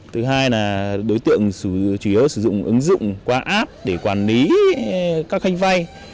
thứ hai là đối tượng chủ yếu sử dụng ứng dụng qua app để quản lý các khanh vay